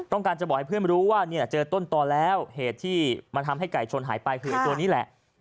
ต้องการจะบอกให้เพื่อนรู้ว่าเนี่ยเจอต้นตอนแล้วเหตุที่มันทำให้ไก่ชนหายไปคือไอ้ตัวนี้แหละ